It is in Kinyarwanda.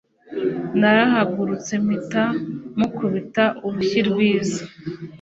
narahagurutse mpita mukubita urushyi rwiza